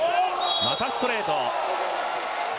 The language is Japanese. またストレート。